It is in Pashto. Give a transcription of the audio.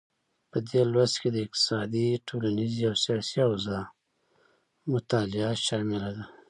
په دې لوست کې د اقتصادي، ټولنیزې او سیاسي اوضاع مطالعه شامله ده.